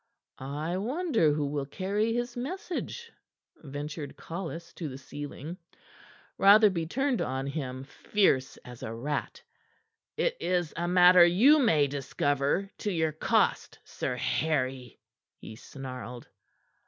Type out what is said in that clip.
"I wonder who will carry his message?" ventured Collis to the ceiling. Rotherby turned on him, fierce as a rat. "It is a matter you may discover to your cost, Sir Harry," he snarled.